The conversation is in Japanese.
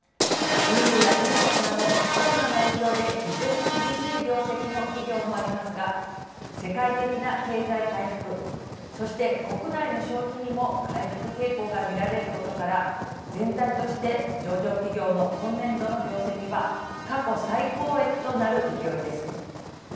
運輸や飲食などコロナの影響で依然厳しい業績の企業もありますが世界的な経済回復そして国内の消費にも回復傾向がみられることから全体として上場企業の今年度の業績は過去最高益となる勢いです。